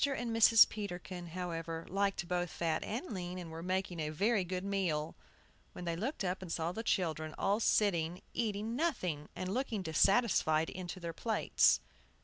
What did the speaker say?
and Mrs. Peterkin, however, liked both fat and lean, and were making a very good meal, when they looked up and saw the children all sitting eating nothing, and looking dissatisfied into their plates.